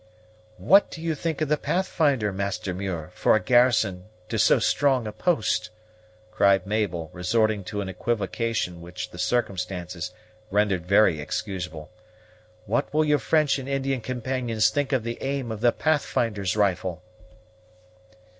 "What do you think of the Pathfinder, Master Muir, for a garrison to so strong a post?" cried Mabel, resorting to an equivocation which the circumstances rendered very excusable. "What will your French and Indian companions think of the aim of the Pathfinder's rifle?"